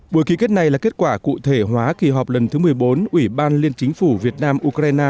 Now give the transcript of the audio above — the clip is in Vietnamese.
buổi ký kết này là kết quả cụ thể hóa kỳ họp lần thứ một mươi bốn ủy ban liên chính phủ việt nam ukraine